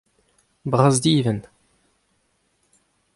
Bras-divent.